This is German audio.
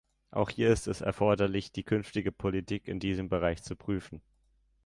Auch hier ist es erforderlich, die künftige Politik in diesem Bereich zu prüfen.